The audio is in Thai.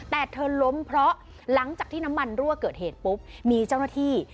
แต่เธอล้มเพราะหลังจากที่น้ำมันรั่วเกิดเหตุปุ๊บมีเจ้าหน้าที่